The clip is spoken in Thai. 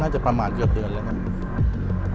ไม่รู้ว่ามีคนติดละนาด